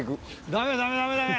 ダメダメダメダメ。